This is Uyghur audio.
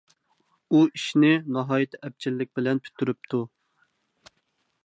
ئۇ ئىشنى ناھايىتى ئەپچىللىك بىلەن پۈتتۈرۈپتۇ.